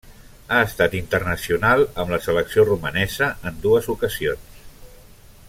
Ha estat internacional amb la selecció romanesa en dues ocasions.